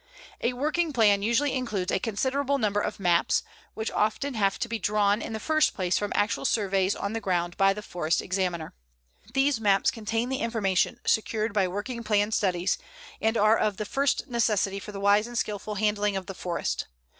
A working plan usually includes a considerable number of maps, which often have to be drawn in the first place from actual surveys on the ground by the Forest Examiner. These maps contain the information secured by working plan studies, and are of the first necessity for the wise and skilful handling of the forest.